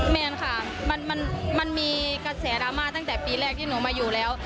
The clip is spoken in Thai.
แมนค่ะมันมีกระแสดราม่าตั้งแต่ปีแรกที่หนูมาอยู่แล้ว